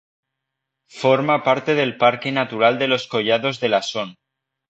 Forma parte del parque natural de los Collados del Asón.